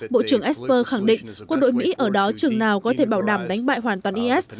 bộ trưởng esper khẳng định quân đội mỹ ở đó chừng nào có thể bảo đảm đánh bại hoàn toàn is